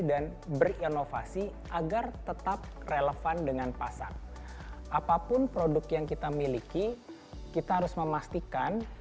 dan berinovasi agar tetap relevan dengan pasar apapun produk yang kita miliki kita harus memastikan